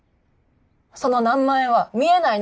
その何万円は見えない